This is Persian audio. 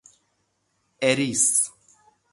اِریس